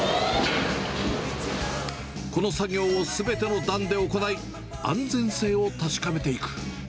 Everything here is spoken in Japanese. この作業をすべての段で行い、安全性を確かめていく。